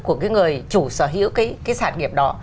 của cái người chủ sở hữu cái sản nghiệp đó